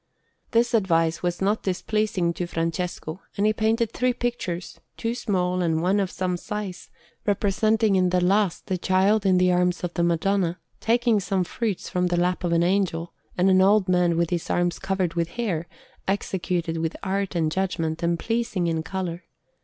This advice was not displeasing to Francesco, and he painted three pictures, two small and one of some size, representing in the last the Child in the arms of the Madonna, taking some fruits from the lap of an Angel, and an old man with his arms covered with hair, executed with art and judgment, and pleasing in colour.